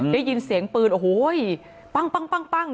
ได้ยินเสียงปืนโอ้โหปั้ง